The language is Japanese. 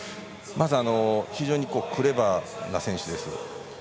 非常にクレバーな選手です。